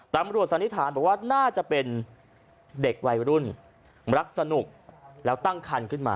สันนิษฐานบอกว่าน่าจะเป็นเด็กวัยรุ่นรักสนุกแล้วตั้งคันขึ้นมา